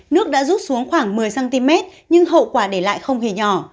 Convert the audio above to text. nước đã rút xuống khoảng một mươi cm nhưng hậu quả để lại không hề nhỏ